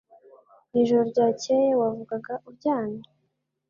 Mwijoro ryakeye wavugaga uryamye